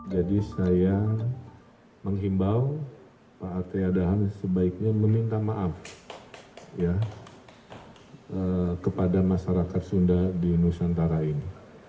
jadi saya menghimbau pak artea dahlan sebaiknya meminta maaf kepada masyarakat sunda di nusantara ini